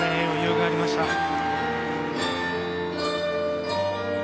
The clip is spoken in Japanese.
余裕がありました。